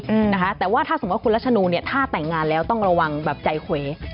อืมนะคะแต่ว่าถ้าสมมุติคุณรัชนูเนี่ยถ้าแต่งงานแล้วต้องระวังแบบใจเขว